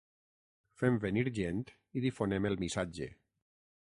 Fem venir gent i difonem el missatge.